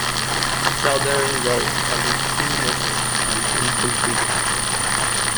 Saldern wrote at least two missives on infantry tactics.